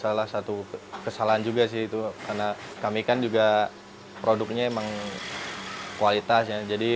memang salah satu kesalahan juga sih itu karena kami kan juga produknya memang kualitasnya jadi